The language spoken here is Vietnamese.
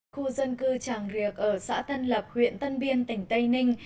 khu dân cư tràng riệc ở xã tân lập huyện tân biên tỉnh tây ninh